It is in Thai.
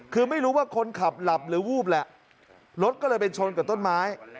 คือไม่รู้ว่าคนขับหลับหรือวูบแหละรถก็เลยไปชนกับต้นไม้